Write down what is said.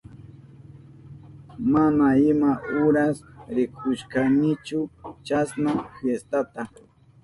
Mana ima uras rikushkanichu chasna fiestata.